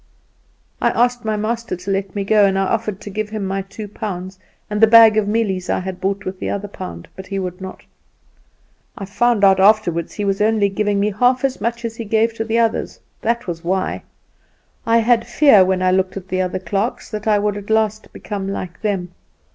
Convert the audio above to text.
I asked my master to let me go, and I offered to give him my two pounds, and the bag of mealies I had bought with the other pound; but he would not. "I found out afterward he was only giving me half as much as he gave to the others that was why. I had fear when I looked at the other clerks that I would at last become like them.